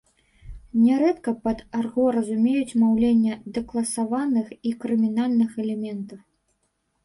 Нярэдка пад арго разумеюць маўленне дэкласаваных і крымінальных элементаў.